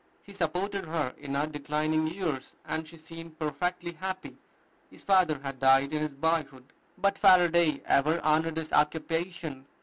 He supported her in her declining years; and she seemed perfectly happy. His father had died in his boyhood; but Faraday ever honored his occupation.